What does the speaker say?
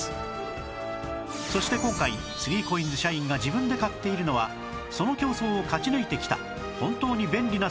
そして今回 ３ＣＯＩＮＳ 社員が自分で買っているのはその競争を勝ち抜いてきた本当に便利な３３０円のアイデア商品